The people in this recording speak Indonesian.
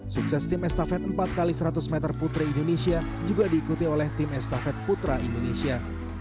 sukses tim estafet empat x seratus meter putri indonesia juga diikuti oleh tim estafet putra indonesia